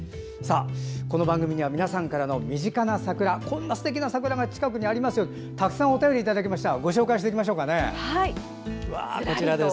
この番組は皆さんからの身近な桜こんな桜がありますよとたくさんお便りいただきました。